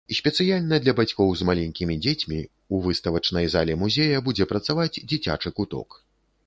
Спецыяльна для бацькоў з маленькімі дзецьмі, у выставачнай зале музея будзе працаваць дзіцячы куток.